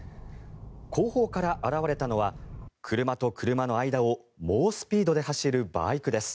後方から現れたのは車と車の間を猛スピードで走るバイクです。